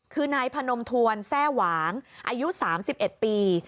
คือนายพนมทวนแทร่หวางอายุ๓๑ปี